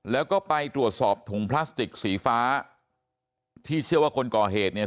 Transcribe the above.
แล้วก็ไปตรวจสอบถุงพลาสติกสีฟ้าที่เชื่อว่าคนก่อเหตุเนี่ย